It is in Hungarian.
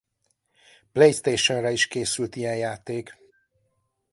PlayStationre is készült ilyen játék.